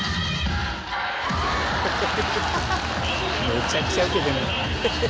「めちゃくちゃウケてる」